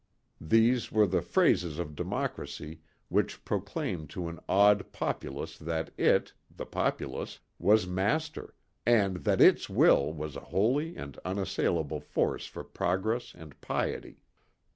These were the phrases of Democracy which proclaimed to an awed populace that it, the populace, was Master and that its will was a holy and unassailable force for progress and piety.